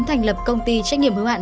thành lập công ty trách nhiệm hướng hạn